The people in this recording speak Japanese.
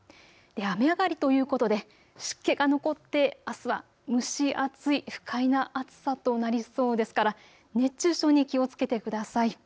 雨上がりということで湿気が残って、あすは蒸し暑い不快な暑さとなりそうですから、熱中症に気をつけてください。